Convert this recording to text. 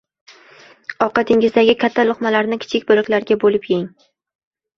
Ovqatingizdagi katta luqmalarni kichik bo‘laklarga bo‘lib yeng.